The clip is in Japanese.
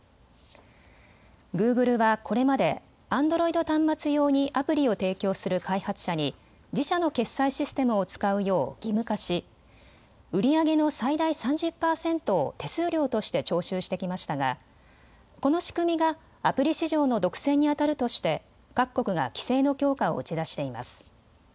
グーグルはこれまでアンドロイド端末用にアプリを提供する開発者に自社の決済システムを使うよう義務化し売り上げの最大３０％を手数料として徴収してきましたがこの仕組みがアプリ市場の独占にあたるとして各国が規制の強化を打ち出しています。